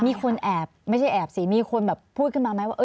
มีคนแอบไม่ใช่แอบสิมีคนแบบพูดขึ้นมาไหมว่า